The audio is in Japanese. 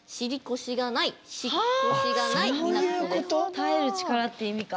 耐える力って意味か。